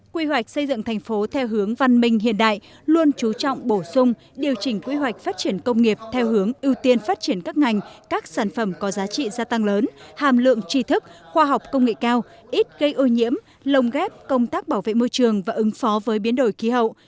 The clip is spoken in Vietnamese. quy hoạch xây dựng thành phố theo hướng văn minh hiện đại luôn chú trọng bổ sung điều chỉnh quy hoạch phát triển công nghiệp theo hướng ưu tiên phát triển các ngành các sản phẩm có giá trị gia tăng lớn hàm lượng tri thức khoa học công nghệ cao ít gây ô nhiễm lồng ghép công tác bảo vệ môi trường và ứng phó với biến đổi khí hậu